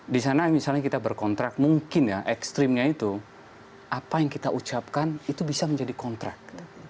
di sana misalnya kita berkontrak mungkin ya ekstrimnya itu apa yang kita ucapkan itu bisa menjadi kontrak